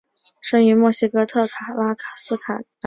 生于墨西哥特拉斯卡拉州特拉斯卡拉市。